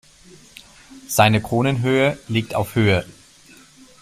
Seine Kronenhöhe liegt auf Höhe.